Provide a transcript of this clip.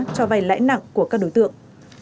cho vay lãi nặng của các đối tượng